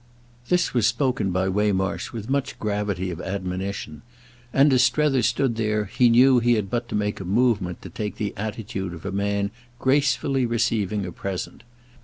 This was spoken by Waymarsh with much gravity of admonition, and as Strether stood there he knew he had but to make a movement to take the attitude of a man gracefully receiving a present.